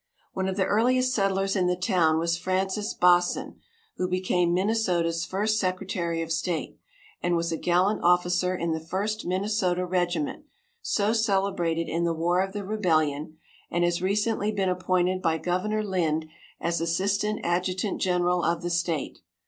One of the earliest settlers in the town was Francis Baasen, who became Minnesota's first secretary of state, and was a gallant officer in the First Minnesota Regiment, so celebrated in the War of the Rebellion, and has recently been appointed by Governor Lind as assistant adjutant general of the state.